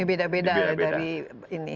dibeda beda dari ini